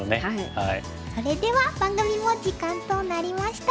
それでは番組も時間となりました。